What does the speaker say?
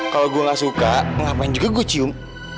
kalau gue gak suka ngapain juga gue cium